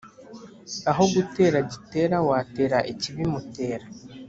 Aho gutera Gitera watera ikibimutera.